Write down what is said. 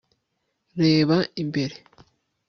reba imbere